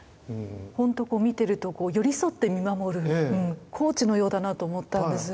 ほんとこう見てると寄り添って見守るコーチのようだなと思ったんです。